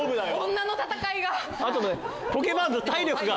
女の戦いが。